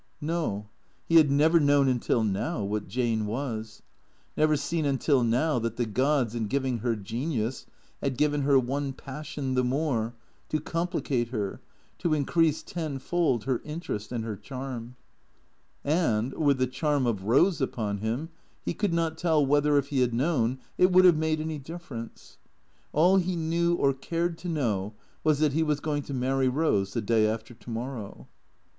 No, he had never known until now what Jane was; never seen until now that the gods in giving her genius had given her one passion the more, to complicate her, to increase tenfold her interest and her charm. And, with the charm of Eose upon him, he could not tell whether, if he had known, it would have made any difference. All he knew or cared to know was that he was going to marry Eose the day after to morrow.